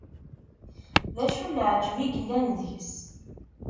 D acu n leɛǧeb yellan deg-s?